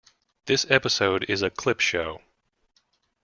This episode is a clip show.